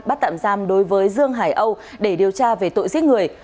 bắt tạm giam đối với dương hải âu để điều tra về tội giết người